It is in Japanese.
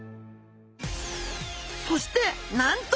そしてなんと！